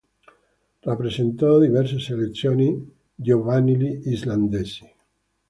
Rappresentò diverse selezioni giovanili islandesi.